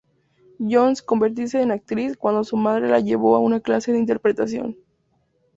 Jones convertirse en actriz cuando su madre la llevó a una clase de interpretación.